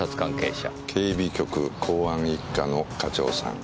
警備局公安一課の課長さん。